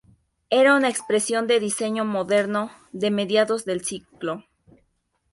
Eran una expresión de diseño moderno de mediados de siglo.